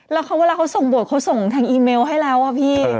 แล้วเวลาเขาส่งบทเขาส่งทางอีเมลให้แล้วอะพี่